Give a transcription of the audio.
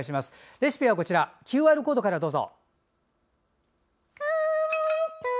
レシピはＱＲコードからどうぞ。